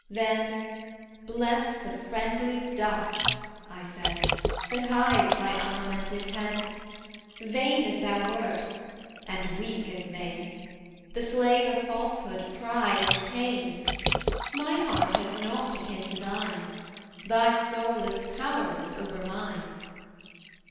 Then "Bless the friendly dust," I said, "That hides thy unlamented head! Vain as thou wert, and weak as vain, The slave of Falsehood, Pride, and Pain My heart has nought akin to thine; Thy soul is powerless over mine."